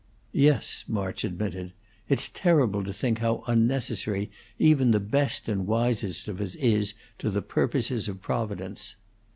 "Yes," March admitted. "It's terrible to think how unnecessary even the best and wisest of us is to the purposes of Providence.